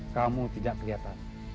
kamu tidak kelihatan